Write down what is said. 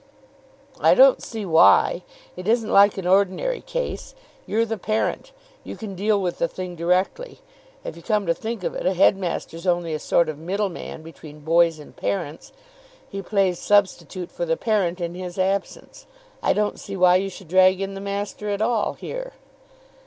"I don't see why. It isn't like an ordinary case. You're the parent. You can deal with the thing directly. If you come to think of it, a headmaster's only a sort of middleman between boys and parents. He plays substitute for the parent in his absence. I don't see why you should drag in the master at all here."